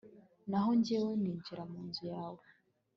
naho jyewe, ninjira mu nzu yawe